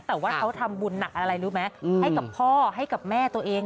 แต่ว่าเขาทำบุญหนักอะไรรู้ไหมให้กับพ่อให้กับแม่ตัวเอง